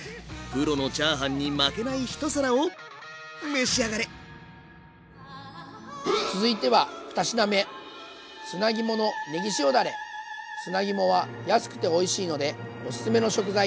プロのチャーハンに負けない１皿を召し上がれ続いては２品目砂肝は安くておいしいのでおすすめの食材。